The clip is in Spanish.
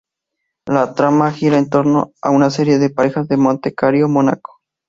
La trama gira en torno a una serie de parejas en Monte Carlo, Mónaco.